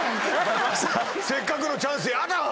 せっかくのチャンスやだぁ！